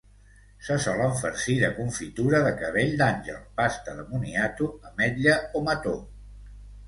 Se solen farcir de confitura de cabell d'àngel, pasta de moniato, ametlla o mató.